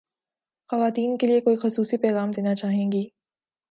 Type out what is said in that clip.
خواتین کے لئے کوئی خصوصی پیغام دینا چاہیے گی